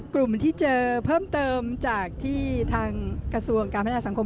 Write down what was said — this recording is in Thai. กลุ่มที่เจอเพิ่มเติมจากที่ทางกระทรวงการพัฒนาสังคม